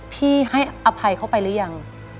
ให้อภัยเขาไปหรือยัง